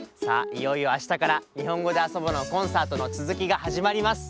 いよいよあしたから「にほんごであそぼ」のコンサートのつづきがはじまります！